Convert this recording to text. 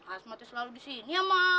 asmatnya selalu di sini ya mah